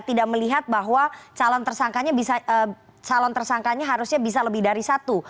tidak melihat bahwa calon tersangkanya calon tersangkanya harusnya bisa lebih dari satu